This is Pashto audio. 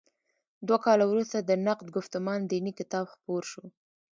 دوه کاله وروسته د نقد ګفتمان دیني کتاب خپور شو.